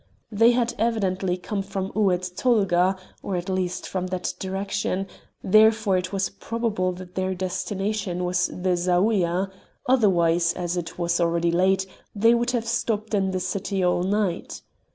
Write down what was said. They had evidently come from Oued Tolga, or at least from that direction, therefore it was probable that their destination was the Zaouïa; otherwise, as it was already late, they would have stopped in the city all night.